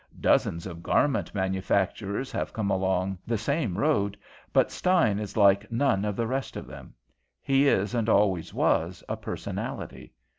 Dozens of garment manufacturers have come along the same road, but Stein is like none of the rest of them. He is, and always was, a personality.